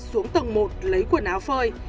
xuống tầng một lấy quần áo phơi